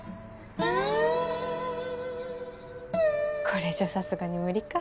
これじゃさすがに無理か。